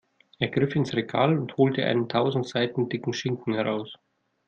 Er griff ins Regal und holte einen tausend Seiten dicken Schinken heraus.